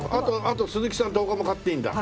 あと鈴木さんと他も買っていいんだ。